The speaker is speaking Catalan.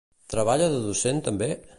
Treballa de docent també?